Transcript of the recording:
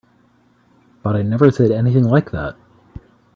But I never said anything like that.